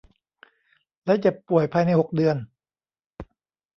และเจ็บป่วยภายใน หก เดือน